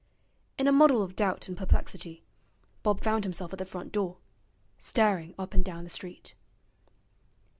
In a muddle of doubt and perplexity, Bob found himself at the front door, staring up and down the street.